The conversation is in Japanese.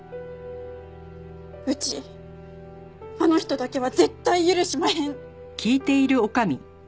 うちあの人だけは絶対許しまへん！